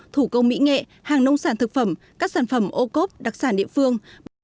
thủ công mỹ nghệ hàng nông sản thực phẩm các sản phẩm ô cốp đặc sản địa phương